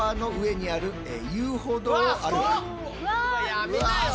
やめなよ。